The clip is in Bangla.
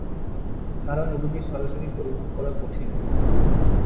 কারণ এগুলি সরাসরি পরিমাপ করা কঠিন।